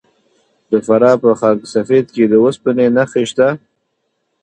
د فراه په خاک سفید کې د وسپنې نښې شته.